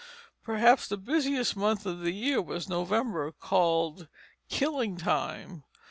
Perhaps the busiest month of the year was November, called "killing time."